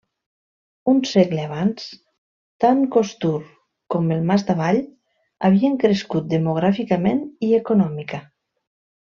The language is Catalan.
Un segle abans, tant Costur com el Mas d'Avall havien crescut demogràficament i econòmica.